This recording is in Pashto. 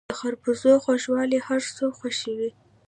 د خربوزو خوږوالی هر څوک خوښوي.